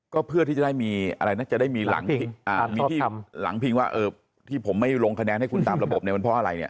ก็เพื่อที่จะได้มีหลังพิงว่าเออที่ผมไม่ลงคะแนนให้คุณตามระบบมันเพราะอะไรเนี่ย